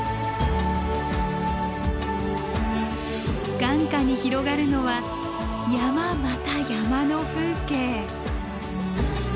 眼下に広がるのは山また山の風景。